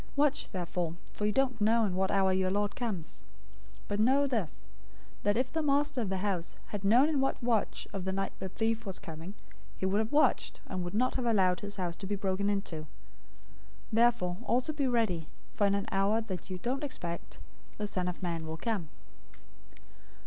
024:042 Watch therefore, for you don't know in what hour your Lord comes. 024:043 But know this, that if the master of the house had known in what watch of the night the thief was coming, he would have watched, and would not have allowed his house to be broken into. 024:044 Therefore also be ready, for in an hour that you don't expect, the Son of Man will come.